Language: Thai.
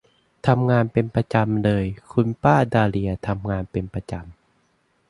ทำงานเป็นประจำเลย คุณป้าดาเลียทำงานเป็นประจำ